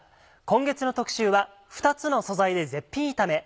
今月の特集は「２つの素材で絶品炒め」。